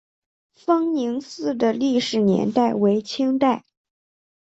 丰宁寺的历史年代为清代。